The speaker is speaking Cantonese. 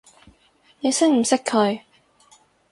你識唔識佢？